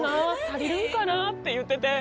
足りるんかな？」って言ってて。